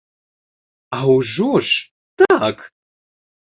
А ўжо ж, так!